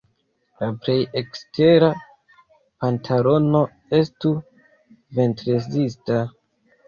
La plej ekstera pantalono estu ventrezista.